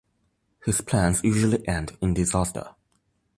His plans usually end in disaster.